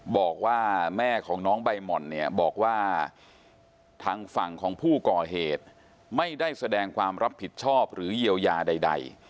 บอกว่าแม่ของน้องใบหม่อนเนี่ยบอกว่าทางฝั่งของผู้ก่อเหตุไม่ได้แสดงความรับผิดชอบหรือเยียวยาใด